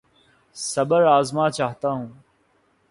صبر آزما چاہتا ہوں